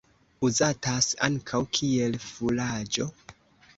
Uzatas ankaŭ kiel furaĝo.